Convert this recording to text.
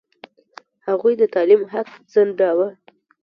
هغوی د تعلیم حق ځنډاوه.